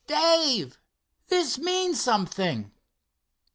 "Dave, this means something."